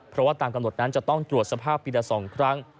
เพราะว่าตามกำหนดนั้นจะต้องตรวจสภาพปีละ๒ครั้ง